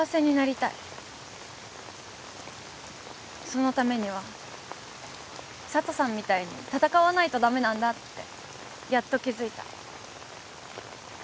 そのためには佐都さんみたいに闘わないと駄目なんだってやっと気付いた。